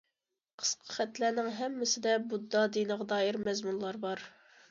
قىسقا خەتلەرنىڭ ھەممىسىدە بۇددا دىنىغا دائىر مەزمۇنلار بار.